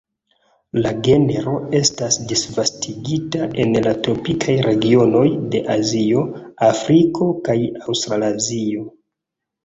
La genro estas disvastigita en la tropikaj regionoj de Azio, Afriko kaj Aŭstralazio.